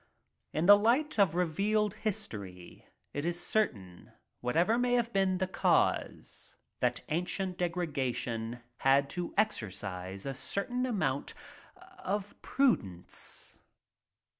In the light of revealed history it is certain— what ever may have been the cause — that ancient degen erates had to exercise a certain amount of prudence.